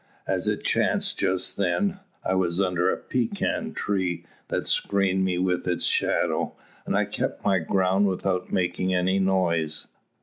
As it chanced just then, I was under a pecan tree that screened me with its shadow; and I kept my ground without making any noise.